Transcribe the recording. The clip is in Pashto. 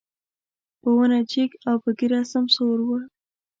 په ونه جګ او په ږيره سمسور و.